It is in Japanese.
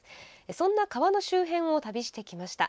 そんな川の周辺を旅してきました。